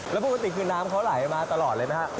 แล้วปกติคือน้ำเขาไหลมาตลอดเลยไหมครับ